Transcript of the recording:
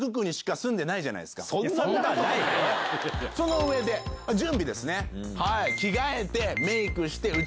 その上で準備ですね。